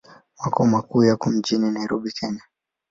Makao makuu yako mjini Nairobi, Kenya.